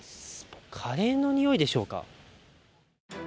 カレーの匂いでしょうか。